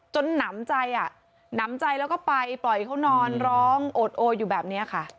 หนำใจอ่ะหนำใจแล้วก็ไปปล่อยเขานอนร้องโอดโออยู่แบบนี้ค่ะ